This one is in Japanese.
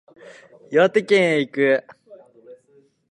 岩手県へ行く